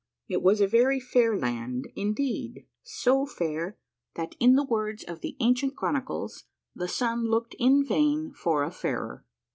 It was a very fair land, indeed, so fair that, in the words of the ancient chronicles, the sun looked in vain for a fairer.